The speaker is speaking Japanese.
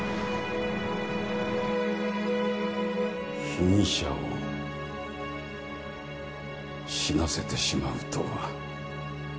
被疑者を死なせてしまうとは。